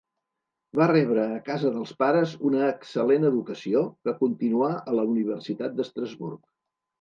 Va rebre a casa dels pares una excel·lent educació, que continuà a la Universitat d'Estrasburg.